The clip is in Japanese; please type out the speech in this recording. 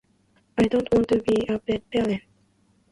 I don't want to be a bad parent.